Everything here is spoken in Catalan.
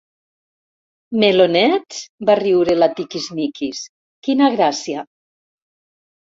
Melonets? —va riure la Tiquismiquis— Quina gràcia!